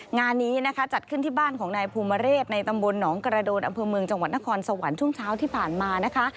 งานนี้นะคะจัดขึ้นที่บ้านของนายภูมิเรศในตำบลหนองกระโดนอำเภอเมืองจังหวัดนครสวรรค์ช่วงเช้าที่ผ่านมานะคะ